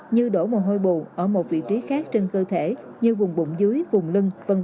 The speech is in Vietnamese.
như đổ mồ hôi bù ở một vị trí khác trên cơ thể như vùng bụng dưới vùng lưng v v